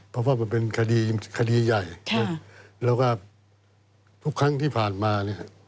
เพราะว่ามันเป็นคดีใหญ่แล้วก็ทุกครั้งที่ผ่านมาเนี่ย